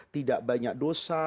tidak banyak dosa